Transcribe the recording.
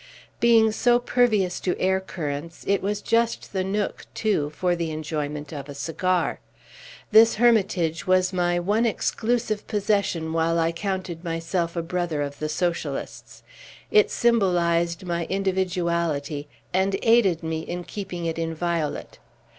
Being so pervious to air currents, it was just the nook, too, for the enjoyment of a cigar. This hermitage was my one exclusive possession while I counted myself a brother of the socialists. It symbolized my individuality, and aided me in keeping it inviolate.